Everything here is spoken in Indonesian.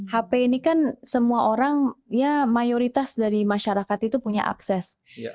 hp ini kan semua orang ya mayoritas dari masyarakat itu punya akses